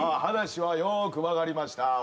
話はよく分かりました。